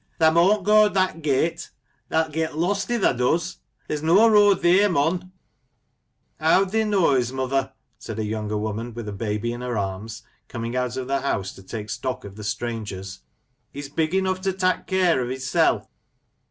thae maun't go that gate 1 Thaelt get lost i' thae does ; there's no road theer, mon I "" Howd thi* noise, mother," said a younger woman, with a baby in her arms, coming out of the house to take stock of the strangers, " He's big enough to tak' care o' his seP !